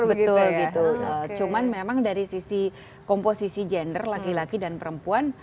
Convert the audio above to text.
betul gitu cuman memang dari sisi komposisi gender laki laki dan perempuan